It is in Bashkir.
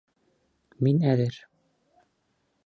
Мин әҙер.